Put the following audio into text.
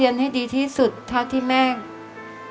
ทั้งในเรื่องของการทำงานเคยทำนานแล้วเกิดปัญหาน้อย